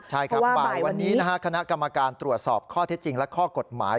ใช่ครับบ่ายวันนี้นะฮะคณะกรรมการตรวจสอบข้อเท็จจริงและข้อกฎหมาย